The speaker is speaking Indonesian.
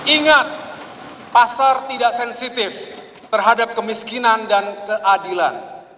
ingat pasar tidak sensitif terhadap kemiskinan dan keadilan